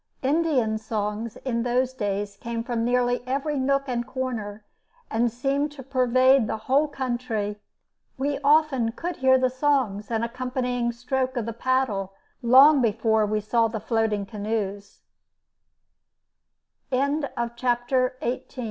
Indian songs in those days came from nearly every nook and corner and seemed to pervade the whole country. We often could hear the songs and accompanying stroke of the paddle long before we saw the floating canoes.